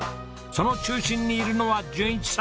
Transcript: その中心にいるのは淳一さん